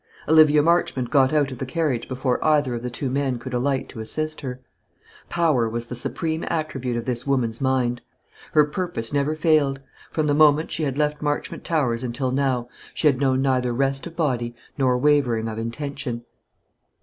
Olivia Marchmont got out of the carriage before either of the two men could alight to assist her. Power was the supreme attribute of this woman's mind. Her purpose never faltered; from the moment she had left Marchmont Towers until now, she had known neither rest of body nor wavering of intention.